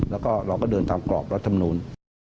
แล้วก็เราก็เดินตามกรอบแล้วทำนู้น